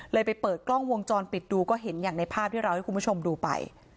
ไปเปิดกล้องวงจรปิดดูก็เห็นอย่างในภาพที่เราให้คุณผู้ชมดูไป